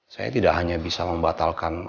saya tidak hanya bisa membatalkan